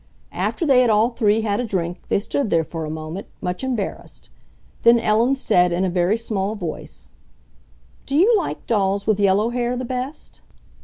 After they had all three had a drink they stood there for a moment, much embarrassed. Then Ellen said, in a very small voice, "Do you like dolls with yellow hair the best?"